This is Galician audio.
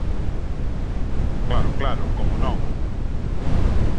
Claro, claro, ¡como non!